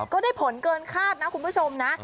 ก็ได้ผลเกินคาดนะคุณผู้ชมนะ